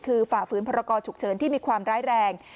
คือฝ่าฝืนพรกรฉุกเฉินที่มีความร้ายแรง